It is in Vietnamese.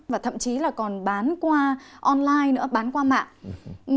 và thậm chí là còn bán qua online nữa bán qua mạng